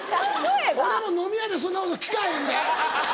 俺も飲み屋でそんなこと聞かへんで。